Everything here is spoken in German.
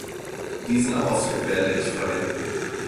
Diesen Ausdruck werde ich verwenden.